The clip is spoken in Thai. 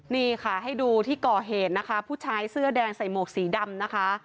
นี่ค่ะให้ดูที่ก่อเหตุนะคะผู้ชายเสื้อแดงใส่หมวกสีดำนะคะ